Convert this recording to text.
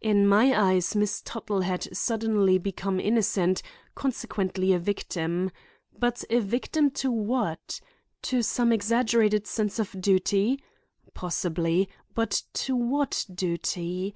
In my eyes Miss Tuttle had suddenly become innocent, consequently a victim. But a victim to what? To some exaggerated sense of duty? Possibly; but to what duty?